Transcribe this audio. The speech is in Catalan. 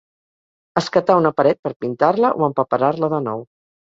Escatar una paret per pintar-la o empaperar-la de nou.